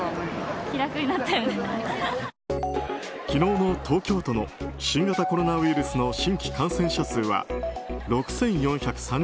昨日の東京都の新型コロナウイルスの新規感染者数は６４３０人。